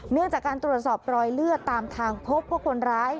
เนื่องจากการตรวจสอบรอยเลือดตามทางพบว่าคนร้าย